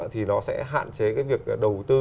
thì nó sẽ hạn chế cái việc đầu tư